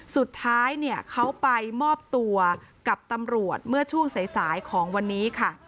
สุดท้ายเนี่ยเขาไปมอบตัวกับตำรวจเมื่อช่วงสายของวันนี้ค่ะ